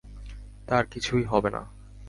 তার কিছু হবে না।